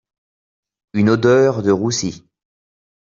Une odeur de roussi